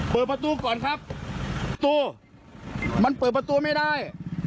เปิดประตูก่อนครับประตูมันเปิดประตูไม่ได้